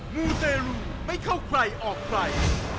มูเตรลูไม่เข้าใครออกใคร